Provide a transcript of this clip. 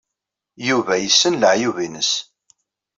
Yuba yessen leɛyub-nnes.